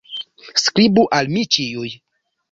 Skribu al mi ĉiuj!